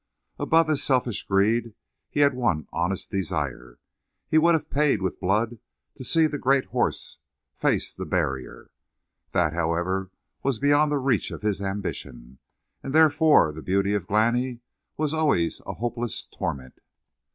Above his selfish greed he had one honest desire: he would have paid with blood to see the great horse face the barrier. That, however was beyond the reach of his ambition, and therefore the beauty of Glani was always a hopeless torment.